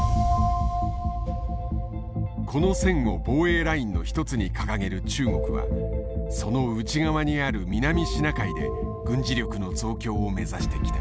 この線を防衛ラインの一つに掲げる中国はその内側にある南シナ海で軍事力の増強を目指してきた。